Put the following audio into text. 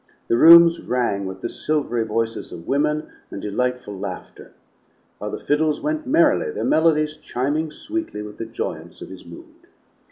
The rooms rang with the silvery voices of women and delightful laughter, while the fiddles went merrily, their melodies chiming sweetly with the joyance of his mood.